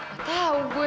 gak tahu gue